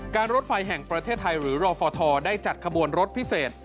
รถไฟแห่งประเทศไทยหรือรอฟทได้จัดขบวนรถพิเศษ